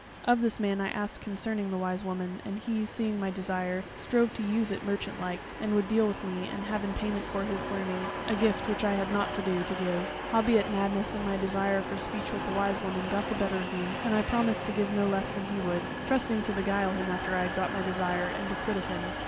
Of this man I asked concerning the Wise Woman, and he seeing my desire, strove to use it merchant like, and would deal with me and have in payment for his learning a gift which I had nought to do to give. Howbeit madness and my desire for speech with the Wise Woman got the better of me, and I promised to give no less than he would, trusting to beguile him after I had got my desire, and be quit of him.